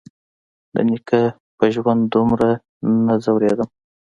د نيکه په ژوند دومره نه ځورېدم.